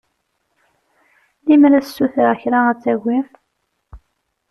Lemmer ad s-ssutreɣ kra ad tagi?